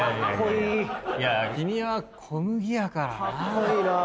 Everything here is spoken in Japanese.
いや君は小麦やからなぁ。